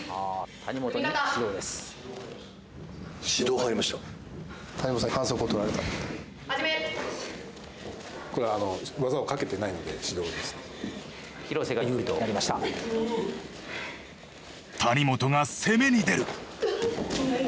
谷本が攻めに出る。